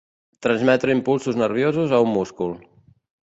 Transmetre impulsos nerviosos a un múscul.